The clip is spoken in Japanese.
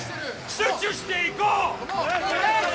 集中していこう！